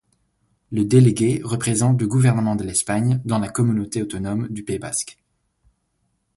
Le délégué représente le gouvernement de l'Espagne dans la communauté autonome du Pays basque.